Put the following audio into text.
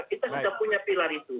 kita sudah punya pilar itu